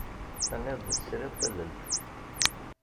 Tenniḍ-d tesriḍ tallelt.